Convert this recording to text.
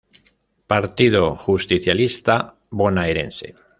Partido Justicialista Bonaerense.